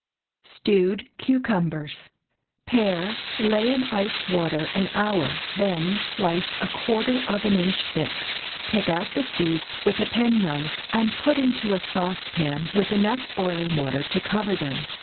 STEWED CUCUMBERS. Pare, lay in ice water an hour; then, slice a quarter of an inch thick. Pick out the seeds with a penknife, and put into a saucepan with enough boiling water to cover them.